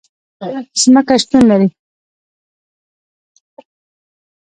ځمکه شتون لري